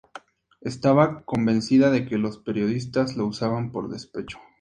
Estaba convencida de que los periodistas lo usaban por despecho.